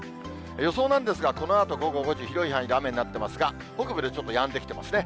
予想なんですが、このあと午後５時、広い範囲で雨になってますが、北部でちょっとやんできていますね。